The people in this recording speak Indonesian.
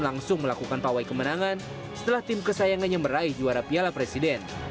langsung melakukan pawai kemenangan setelah tim kesayangannya meraih juara piala presiden